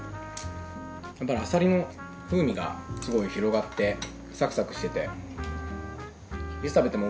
やっぱりアサリの風味がすごい広がってサクサクしてて。